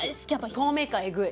透明感エグい。